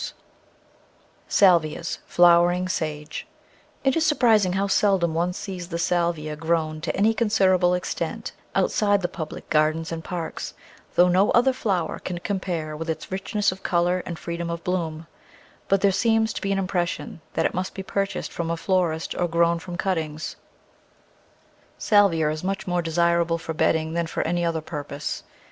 Digitized by Google no The Flower Garden [Chapter Salvias (Flowering Sage) IT is surprising how seldom one sees the Salvia grown to any considerable extent outside the public gardens and parks, though no other flower can compare with it in richness of colour and freedom of bloom, but there seems to be an impression that it must be purchased from a florist or grown from cut tings. Salvia is much more desirable for bedding than for any other purpose.